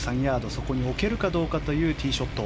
そこに置けるかどうかというティーショット。